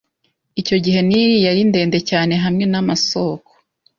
Icyo gihe Nili yari ndende cyane hamwe n’amasoko